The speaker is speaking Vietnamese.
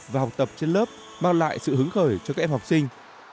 và học tập trên lớp mang lại sự hứng khởi cho các em học sinh